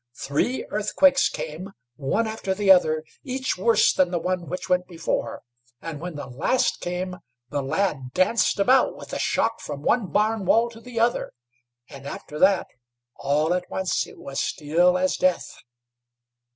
Three earthquakes came, one after the other, each worse than the one which went before, and when the last came, the lad danced about with the shock from one barn wall to the other; and after that, all at once, it was still as death.